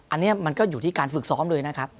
อันนี้มันก็อยู่ที่การฝึกซ้อมเลยนะครับ